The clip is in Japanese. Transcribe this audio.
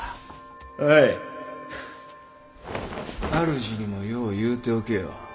主人にもよう言うておけよ。